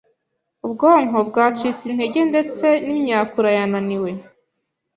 ubwonko bwacitse intege ndetse n’imyakura yananiwe,